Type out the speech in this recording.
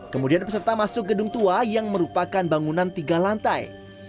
kemudian peserta masuk gedung tua yang merupakan bangunan tiga lantai